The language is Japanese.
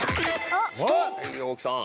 大木さん。